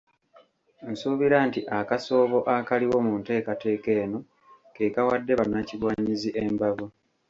Nsuubira nti akasoobo akaliwo mu nteekateeka eno ke kawadde bannakigwanyizi embavu.